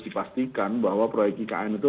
dipastikan bahwa proyek ikn itu